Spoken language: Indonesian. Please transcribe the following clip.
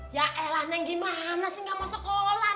yaelah nek gimana sih gak mau sekolah